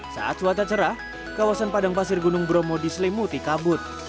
saat cuaca cerah kawasan padang pasir gunung bromo diselimuti kabut